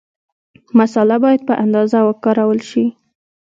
مساله باید په اندازه وکارول شي.